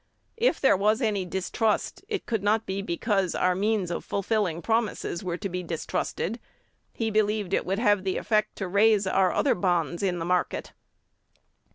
If there was any distrust, it could not be because our means of fulfilling promises were distrusted. He believed it would have the effect to raise our other bonds in market.